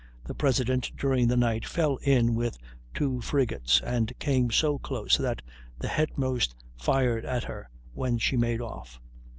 the President, during the night, fell in with two frigates, and came so close that the head most fired at her, when she made off.